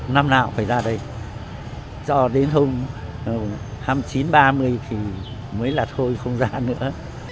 năm nào cũng phải ra đây cho đến hôm hai mươi chín ba mươi thì mới là thôi không giả nữa